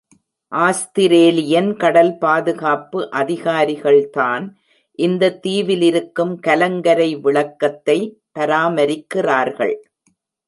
Australian கடல் பாதுகாப்பு அதிகாரிகள்தான் இந்த தீவில் இருக்கும் கலங்கரை விளக்கத்தை பராமரிக்கிறார்கள்.